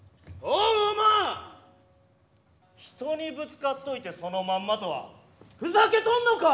おま人にぶつかっといてそのまんまとはふざけとんのか！